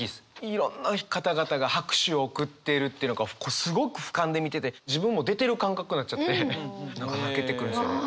いろんな方々が拍手を送っているっていうのがこうすごくふかんで見てて自分も出てる感覚になっちゃって何か泣けてくるんですよね。